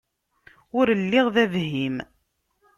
Ur lliɣ d abhim.